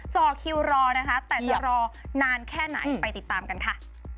จอคิวรอนะคะแต่จะรอนานแค่ไหนไปติดตามกันค่ะ